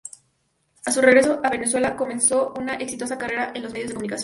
A su regreso a Venezuela comenzó una exitosa carrera en los medios de comunicación.